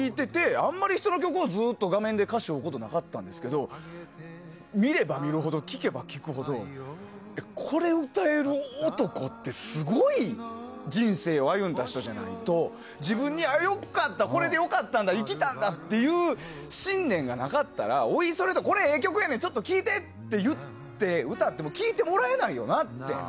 あまり人の曲、画面で歌詞追うことなかったんですけど見れば見るほど、聴けば聴くほどこれ歌える男ってすごい人生を歩んだ人じゃないと自分でこれで良かったんだ生きたんだっていう信念がなかったらおいそれとこれええ曲やねんちょっと聴いてって言って歌っても聴いてもらえないよなと。